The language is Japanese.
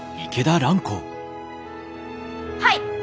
はい！